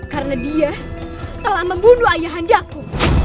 karena dia telah membunuh ayah hendakku